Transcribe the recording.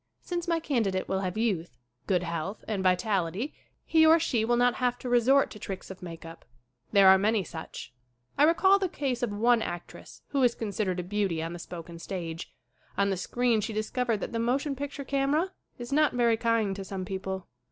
Since my candidate will have youth, good health and vitality he or she will not have to resort to tricks of make up. There are many such. I recall the case of one actress who is considered a beauty on the spoken stage. On the screen she discovered that the motion pic ture camera is not very kind to some people.